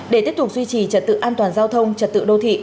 để tiếp tục duy trì trật tự an toàn giao thông trật tự đô thị